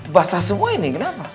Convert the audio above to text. basah semua ini kenapa